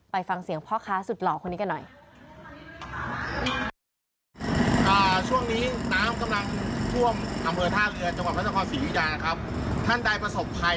ไปฟังเสียงพ่อค้าสุดหล่อคนนี้กันหน่อย